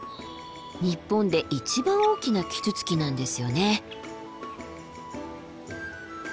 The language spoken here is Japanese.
日本で一番大きなキツツキなんですよね。